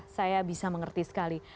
saya bisa mengerti sekali